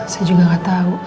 saya juga gak tau